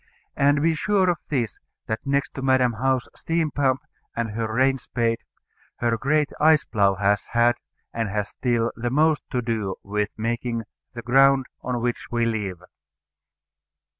And be sure of this, that next to Madam How's steam pump and her rain spade, her great ice plough has had, and has still, the most to do with making the ground on which we live.